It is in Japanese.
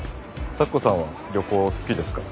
咲子さんは旅行好きですか？